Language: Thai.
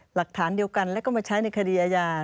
หลักฐานเดียวกันแล้วก็มาใช้ในคดีอาญา